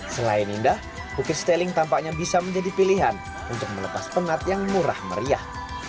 selain indah bukit steling tampaknya bisa menjadi pilihan untuk melepas penat yang murah meriah